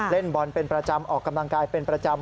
เล่นบอลเป็นประจำออกกำลังกายเป็นประจำ